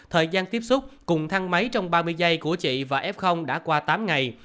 thời gian tiếp xúc cùng thang máy trong ba mươi giây của chị và f đã qua tám ngày